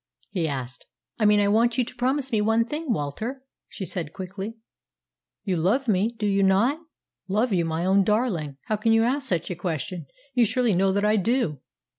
he asked. "I mean I want you to promise me one thing, Walter," she said quickly. "You love me, do you not?" "Love you, my own darling! How can you ask such a question? You surely know that I do!"